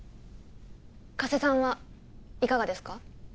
加瀬さんはいかがですか？